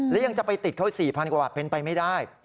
และยังจะไปติดเขา๔๐๐กว่าบาทเป็นไปไม่ได้